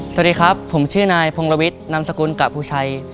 สวัสดีครับผมชื่อนายพงลวิทย์นามสกุลกะภูชัย